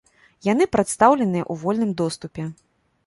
Яны прадстаўленыя ў вольным доступе.